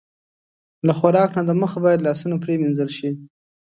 له خوراک نه د مخه باید لاسونه پرېمنځل شي.